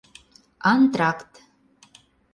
Антракт.